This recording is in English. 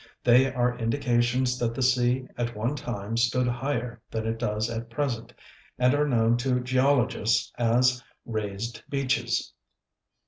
They are indications that the sea at one time stood higher than it does at present, and are known to geologists as "raised beaches."